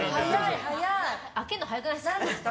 開けるの早くないですか？